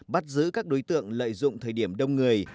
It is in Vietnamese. bắt giữ các đối tượng lợi dụng thời điểm đông người